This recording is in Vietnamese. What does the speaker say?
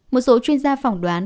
một số chuyên gia phỏng đoán